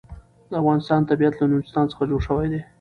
د افغانستان طبیعت له نورستان څخه جوړ شوی دی.